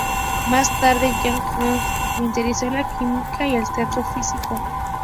Más tarde, Jacques Lecoq sintetizó la mímica y el teatro físico.